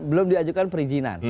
belum diajukan perizinan